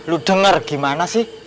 lo denger gimana sih